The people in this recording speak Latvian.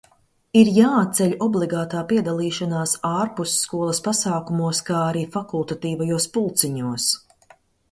Ir jāatceļ obligātā piedalīšanās ārpusskolas pasākumos, kā arī fakultatīvajos pulciņos.